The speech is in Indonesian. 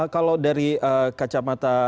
kalau dari kacamata